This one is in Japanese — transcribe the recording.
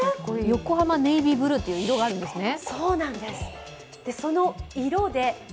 横浜ネイビーブルーという色があるんですね。